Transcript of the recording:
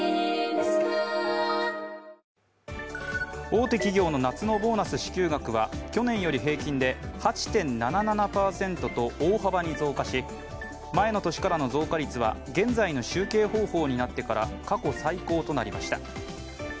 大手企業の夏のボーナス支給額は去年より平均で８．７７％と大幅に増加し前の年からの増加率は現在の集計方法になってから過去最高となりました。